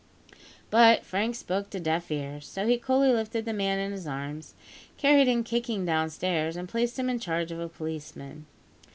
But Frank spoke to deaf ears; so he coolly lifted the man in his arms, carried him kicking downstairs, and placed him in charge of a policeman.